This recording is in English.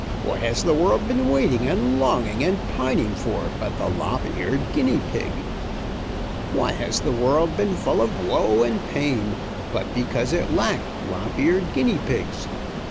What has the world been waiting and longing and pining for but the lop eared guinea pig? Why has the world been full of woe and pain, but because it lacked lop eared guinea pigs?